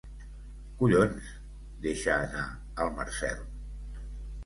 Collons —deixa anar el Marcel—.